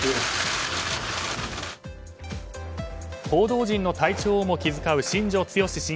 報道陣の体調をも気遣う新庄剛志